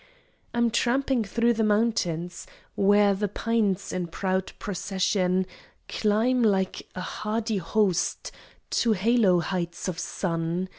I'm tramping thro the mountains Where the pines in proud procession Climb like a hardy host To halo heights of sun.